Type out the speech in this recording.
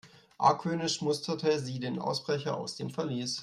Argwöhnisch musterte sie den Ausbrecher aus dem Verlies.